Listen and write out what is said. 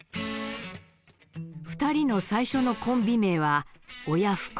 ２人の最初のコンビ名は「親不孝」。